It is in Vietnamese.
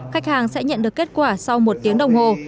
khách hàng sẽ nhận được kết quả sau một tiếng đồng hồ